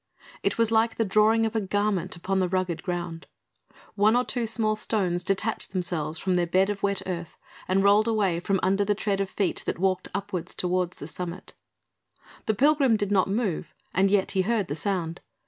It was like the drawing of a garment upon the rugged ground. One or two small stones detached themselves from their bed of wet earth and rolled away from under the tread of feet that walked upwards toward the summit. The pilgrim did not move, and yet he heard the sound.